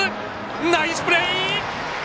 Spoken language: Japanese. ナイスプレー！